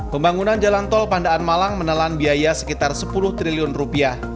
pembangunan jalan tol pandaan malang menelan biaya sekitar sepuluh triliun rupiah